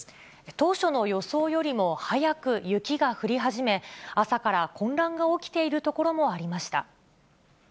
当初の予想よりも早く雪が降り始め、朝から混乱が起きている所もありました。